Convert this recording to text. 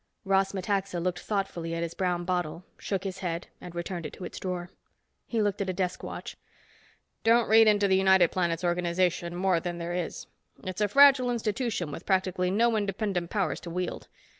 Ross Metaxa looked thoughtfully at his brown bottle, shook his head and returned it to its drawer. He looked at a desk watch. "Don't read into the United Planets organization more than there is. It's a fragile institution with practically no independent powers to wield.